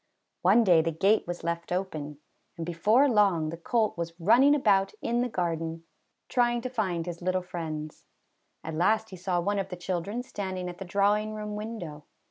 One day the gate was left open, and before long the colt was running about in the gar 166 ABOUT A COLT. den, trying to find his little friends. At last he saw one of the children standing at the drawing room window.